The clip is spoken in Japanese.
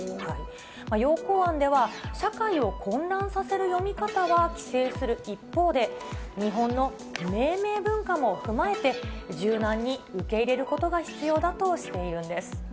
要綱案では、社会を混乱させる読み方は規制する一方で、日本の命名文化も踏まえて、柔軟に受け入れることが必要だとしているんです。